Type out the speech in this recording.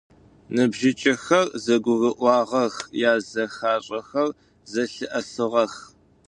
Ныбжьыкӏэхэр зэгурыӏуагъэх, язэхашӏэхэр зэлъыӏэсыгъэх.